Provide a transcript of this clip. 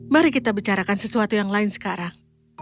mari kita bicarakan sesuatu yang lain sekarang